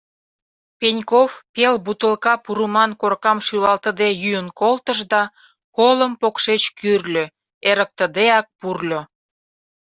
Пеньков пел бутылка пурыман коркам шӱлалтыде йӱын колтыш да колым покшеч кӱрльӧ, эрыктыдеак пурльо.